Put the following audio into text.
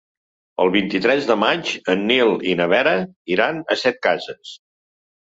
El vint-i-tres de maig en Nil i na Vera iran a Setcases.